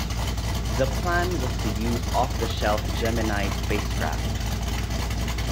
The plan was to use off-the-shelf Gemini spacecraft.